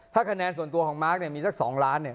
ถ้าคะแนนส่วนตัวของมาร์คเนี่ยมีสัก๒ล้านเนี่ย